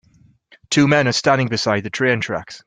Two men are standing beside the train tracks.